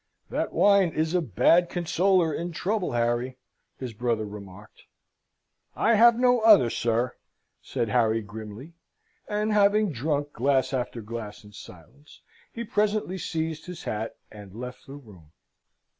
"That wine is a bad consoler in trouble, Harry," his brother remarked. "I have no other, sir," said Harry, grimly; and having drunk glass after glass in silence, he presently seized his hat, and left the room.